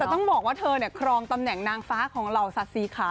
แต่ต้องบอกว่าเธอครองตำแหน่งนางฟ้าของเหล่าสัตว์สีขาว